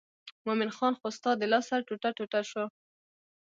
مومن خان خو ستا د لاسه ټوټه ټوټه شو.